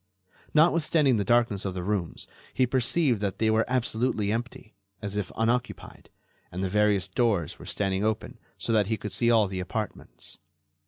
Notwithstanding the darkness of the rooms, he perceived that they were absolutely empty, as if unoccupied, and the various doors were standing open so that he could see all the apartments.